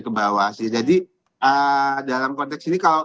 ke bawah sih jadi dalam konteks ini kalau